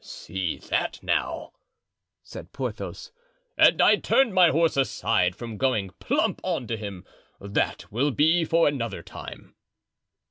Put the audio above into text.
"See that, now!" said Porthos; "and I turned my horse aside from going plump on to him! That will be for another time."